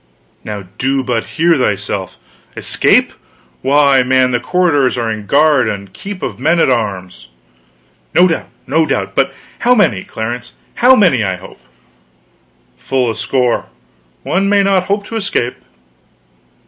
"Now do but hear thyself! Escape? Why, man, the corridors are in guard and keep of men at arms." "No doubt, no doubt. But how many, Clarence? Not many, I hope?" "Full a score. One may not hope to escape."